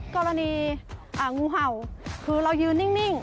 กรณีงูเห่าคือเรายืนนิ่ง